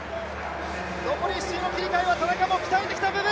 残り１周の切り替えは田中も鍛えてきた部分。